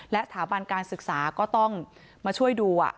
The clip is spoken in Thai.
และสถาบันการศึกษาก็ต้องมาช่วยดู